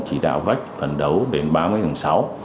chỉ đạo vách phấn đấu đến ba mươi tháng sáu